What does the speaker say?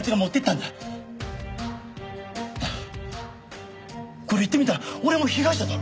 なあこれ言ってみたら俺も被害者だろ！？